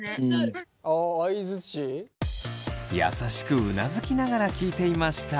優しくうなずきながら聞いていました。